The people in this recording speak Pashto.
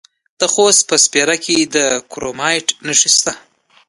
د خوست په سپیره کې د کرومایټ نښې شته.